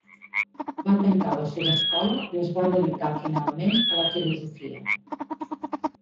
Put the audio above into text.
Va tancar la seva escola i es va dedicar finalment a la filosofia.